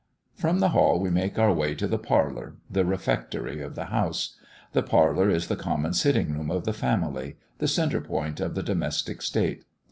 From the hall we make our way to the parlour the refectory of the house. The parlour is the common sitting room of the family, the centre point of the domestic state.